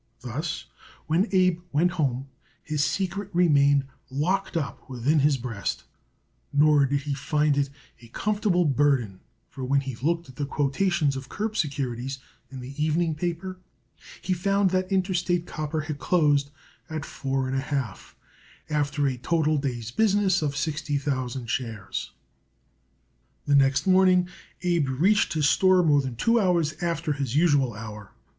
Thus, when Abe went home his secret remained locked up within his breast, nor did he find it a comfortable burden, for when he looked at the quotations of curb securities in the evening paper he found that Interstate Copper had closed at four and a half, after a total day's business of sixty thousand shares. The next morning Abe reached his store more than two hours after his usual hour.